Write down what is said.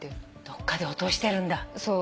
どっかで落としてるんだ。